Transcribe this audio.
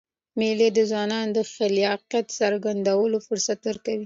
مېلې د ځوانانو د خلاقیت څرګندولو فرصت ورکوي.